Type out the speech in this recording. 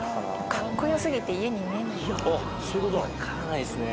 かっこよすぎて家に見えないとか。